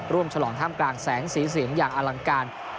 ฉลองท่ามกลางแสงสีเสียงอย่างอลังการ